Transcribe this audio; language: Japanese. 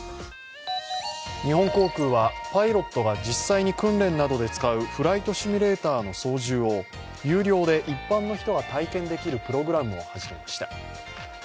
日本航空はパイロットが実際に訓練などで使うフライトシミュレーターの操縦を有料で一般の人が体験できるプログラムを始めました。